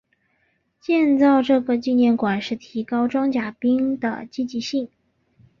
建造这个纪念馆是提高装甲兵的积极性。